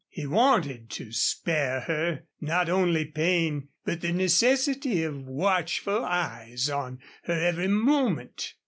He wanted to spare her not only pain, but the necessity of watchful eyes on her every moment.